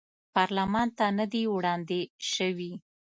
پارلمان ته نه دي وړاندې شوي.